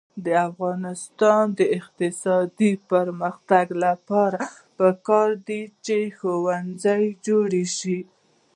د افغانستان د اقتصادي پرمختګ لپاره پکار ده چې ښوونځي جوړ شي.